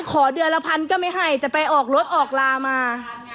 ขอเดือนละพันก็ไม่ให้แต่ไปออกรถออกลามา